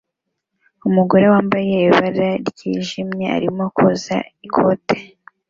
Umugore wambaye ibara ryijimye arimo koza ikote